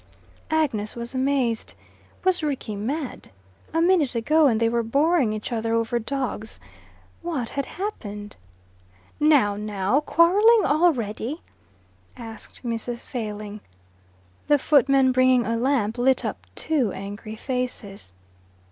Agnes was amazed. Was Rickie mad? A minute ago and they were boring each other over dogs. What had happened? "Now, now! Quarrelling already?" asked Mrs. Failing. The footman, bringing a lamp, lit up two angry faces.